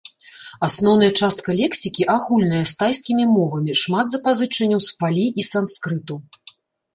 Асноўная частка лексікі агульная з тайскімі мовамі, шмат запазычанняў з палі і санскрыту.